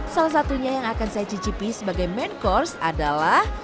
salah satunya yang akan saya cicipi sebagai main course adalah